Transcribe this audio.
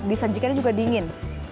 disanjikannya juga dingin